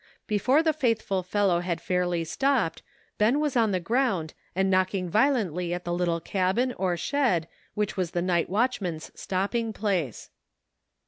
Before the faithful fellow had fairly " WHAT COULD HAPPENS' G7 stopped, Ben was on the ground and knocking violently at the little cabin or shed which was the night watchman's stopping place.